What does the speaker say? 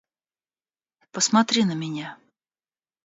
Посмотри на меня.